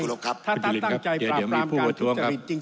ถ้าท่านตั้งใจปราบปรามการทุจริตจริง